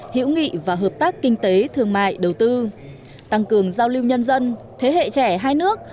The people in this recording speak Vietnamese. hiểu nghị và hợp tác kinh tế thương mại đầu tư tăng cường giao lưu nhân dân thế hệ trẻ hai nước